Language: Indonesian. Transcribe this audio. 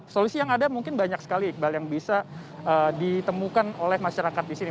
solusi yang ada mungkin banyak sekali iqbal yang bisa ditemukan oleh masyarakat di sini